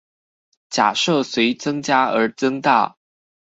假設隨增加而增大